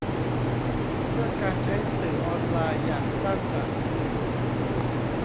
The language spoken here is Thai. เพื่อการใช้สื่อออนไลน์อย่างสร้างสรรค์